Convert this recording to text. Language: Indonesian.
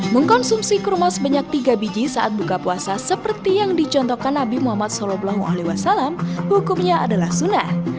mengkonsumsi kurma sebanyak tiga biji saat buka puasa seperti yang dicontohkan nabi muhammad saw hukumnya adalah sunnah